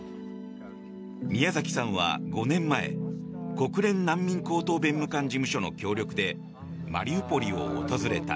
ミヤザキさんは５年前国連難民高等弁務官事務所の協力でマリウポリを訪れた。